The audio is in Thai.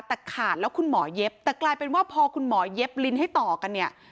แต่ขาดแล้วคุณหมอเย็บแต่กลายเป็นว่าพอคุณหมอเย็บลิ้นให้ต่อกันเนี่ย